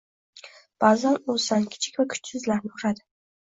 Ba’zan o‘zidan kichik va kuchsizlarni uradi.